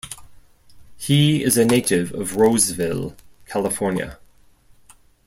He is a native of Roseville, California.